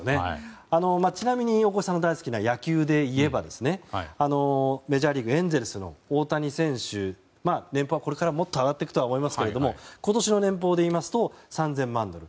ちなみに大越さんの大好きな野球でいえばメジャーリーグエンゼルスの大谷選手年俸はこれからもっと上がっていくと思いますが今年の年俸で言いますと３０００万ドル。